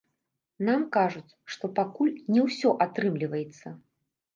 Нам кажуць, што пакуль не ўсё атрымліваецца.